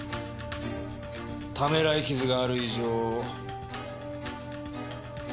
ためらい傷がある以上。